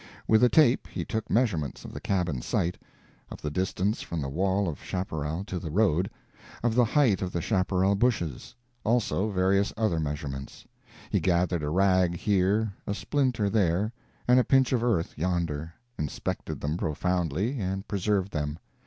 With a tape he took measurements of the cabin site; of the distance from the wall of chaparral to the road; of the height of the chaparral bushes; also various other measurements. He gathered a rag here, a splinter there, and a pinch of earth yonder, inspected them profoundly, and preserved them.